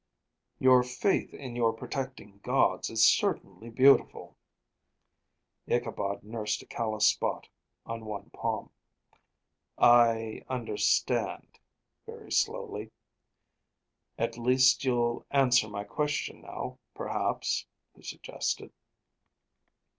"Your faith in your protecting gods is certainly beautiful." Ichabod nursed a callous spot on one palm. "I understand," very slowly. "At least, you'll answer my question now, perhaps," he suggested.